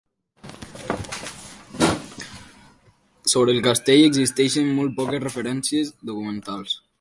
Sobre el castell existeixen molt poques referències documentals.